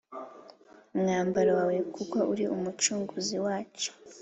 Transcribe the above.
Umwambaro wawe kuko uri umucunguzi wacu